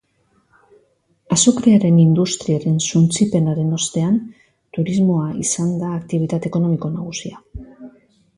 Azukrearen industriaren suntsipenaren ostean turismoa izan da aktibitate ekonomiko nagusia.